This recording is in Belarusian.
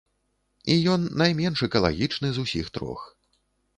І ён найменш экалагічны з усіх трох.